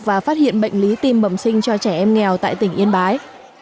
và phát hiện bệnh lý tim bẩm sinh cho trẻ em nghèo tại tỉnh yên bái